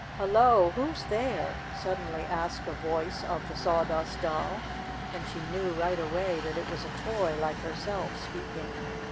6 ' Hello ! Who 's there %'' suddenly asked a voice of the Sawdust Doll, and she knew, right away, that it was a toy, like herself, speaking.